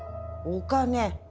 お金。